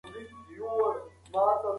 موږ باید خپل مخکني قضاوتونه لږ کړو.